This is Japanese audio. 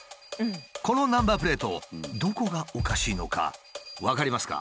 このナンバープレートどこがおかしいのか分かりますか？